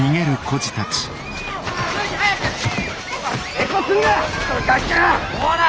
抵抗すんな！